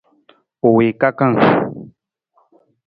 U wii kakang.